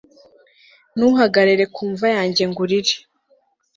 Ntuhagarare ku mva yanjye ngo urire